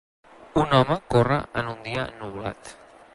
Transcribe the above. Un home corre en un dia ennuvolat.